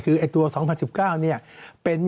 คือตัว๒๙๐๐เป็น